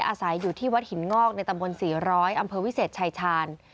อาศัยอยู่ที่วัดหินงอกในตำบล๔๐๐อำเภอวิเศษชายชาญ